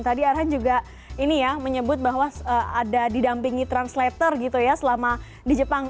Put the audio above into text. tadi arhan juga ini ya menyebut bahwa ada didampingi translator gitu ya selama di jepang